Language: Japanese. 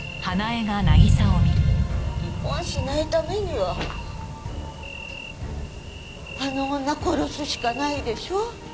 離婚しないためにはあの女殺すしかないでしょ？